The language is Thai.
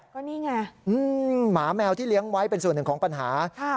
ก็นี่ไงหมาแมวที่เลี้ยงไว้เป็นส่วนหนึ่งของปัญหา